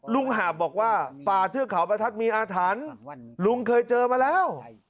หาบบอกว่าป่าเทือกเขาประทัดมีอาถรรพ์ลุงเคยเจอมาแล้ว